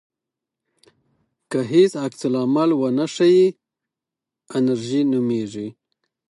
که هیڅ عکس العمل ونه ښیې انېرژي نومېږي.